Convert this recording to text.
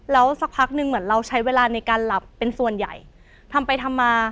แล้วสักพักหนึ่งเหมือนเราใช้เวลาในการหลับเป็นส่วนใหญ่ทำไปทำมา